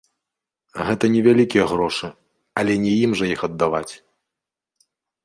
Гэта невялікія грошы, але не ім жа іх аддаваць.